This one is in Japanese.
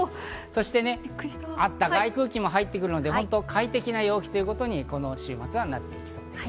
そしてね、暖かい空気も入ってくるので、快適な陽気ということにこの週末はなりそうです。